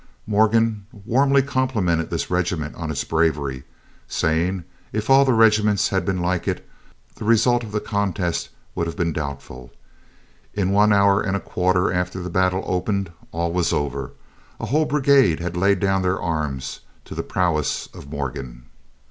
Morgan warmly complimented this regiment on its bravery, saying if all the regiments had been like it, the result of the contest would have been doubtful. In one hour and a quarter after the battle opened, all was over. A whole brigade had laid down their arms to the prowess of Morgan.